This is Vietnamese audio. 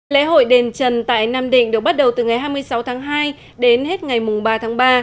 lễ hội đền trần tại nam định được bắt đầu từ ngày hai mươi sáu tháng hai đến hết ngày ba tháng ba